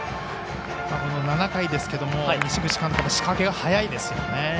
７回ですけれども西口監督、仕掛けが早いですね。